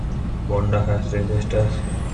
Vonda has three sisters.